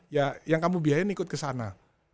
ya yang kamu biayain ikut ke sana